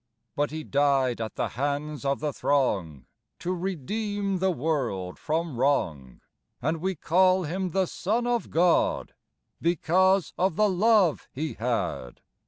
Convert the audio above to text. But he died at the hands of the throng To redeem the world from wrong, And we call him the Son of God, Because of the love he had.